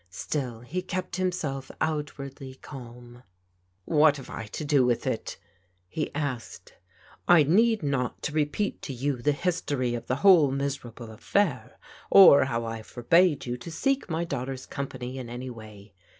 Still he kept himself out wardly calm. " What have I to do with it? " he asked. I need not to repeat to you the history of the whole miserable affair, or how I forbade you to seek my daughter's company in any way.